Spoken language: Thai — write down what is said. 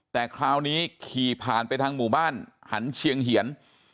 แต่คราวนี้ขี่ผ่านไปทางหมู่บ้านหันเชียงเหียน